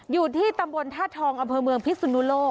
อยู่ที่ตำบลธาตุทองอำเภอเมืองพิสุนุโลก